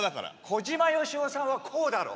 小島よしおさんはこうだろ。